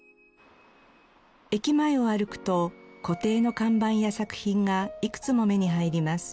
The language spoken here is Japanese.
駅前を歩くと鏝絵の看板や作品がいくつも目に入ります。